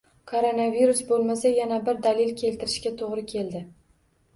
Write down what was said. Koronavirus bo'lmasa, yana bir dalil keltirishga to'g'ri keldi